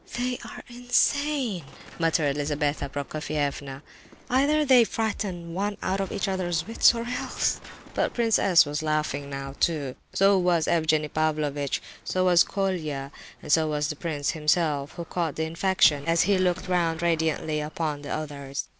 "They are insane," muttered Lizabetha Prokofievna. "Either they frighten one out of one's wits, or else—" But Prince S. was laughing now, too, so was Evgenie Pavlovitch, so was Colia, and so was the prince himself, who caught the infection as he looked round radiantly upon the others.